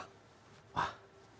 kalau itu kan